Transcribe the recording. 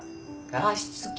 加湿器。